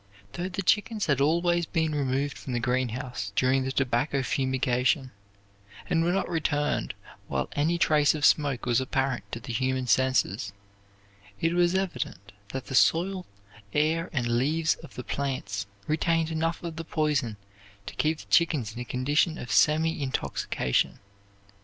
Though the chickens had always been removed from the greenhouse during the tobacco fumigation and were not returned while any trace of smoke was apparent to the human senses, it was evident that the soil, air, and leaves of the plants retained enough of the poison to keep the chickens in a condition of semi intoxication.